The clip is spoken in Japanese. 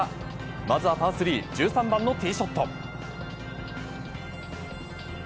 まずはパー３、１３番のティーショット。